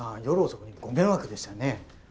夜遅くにご迷惑でしたよね。